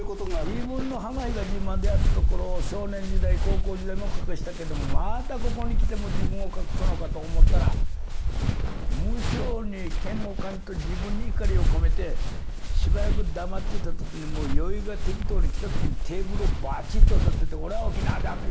自分の浜比嘉島であるところを少年時代高校時代も隠したけどもまたここにきても自分を隠すのかと思ったら無性に嫌悪感と自分に怒りを込めてしばらく黙ってた時に酔いが適当にきた時にテーブルをバチッとたたいて俺は沖縄だと言うてしもうたんよ。